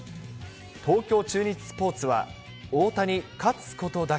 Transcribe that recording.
東京中日スポーツは、大谷、勝つことだけ。